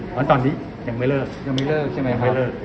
เพราะตอนนี้ยังไม่เลิกยังไม่เลิกใช่ไหมยังไม่เลิก